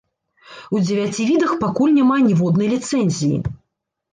У дзевяці відах пакуль няма ніводнай ліцэнзіі.